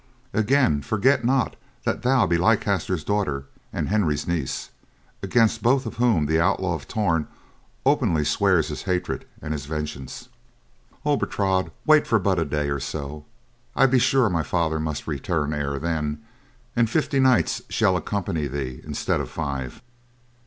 Again, forget not that thou be Leicester's daughter and Henry's niece; against both of whom the Outlaw of Torn openly swears his hatred and his vengeance. Oh, Bertrade, wait but for a day or so, I be sure my father must return ere then, and fifty knights shall accompany thee instead of five."